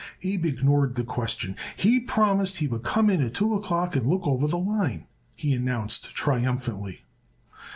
Abe ignored the question. "He promised he would come in at two o'clock and look over the line," he announced triumphantly.